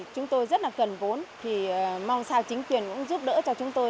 chúng tôi rất là cần vốn thì mong sao chính quyền cũng giúp đỡ cho chúng tôi